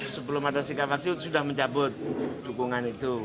sebelum ada sikap fraksi sudah mencabut dukungan itu